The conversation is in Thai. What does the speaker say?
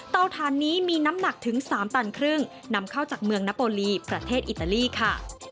ฐานนี้มีน้ำหนักถึง๓ตันครึ่งนำเข้าจากเมืองนโปรลีประเทศอิตาลีค่ะ